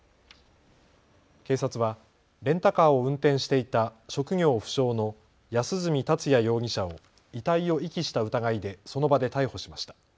警察はレンタカーを運転していた職業不詳の安栖達也容疑者を遺体を遺棄した疑いでその場で逮捕しました。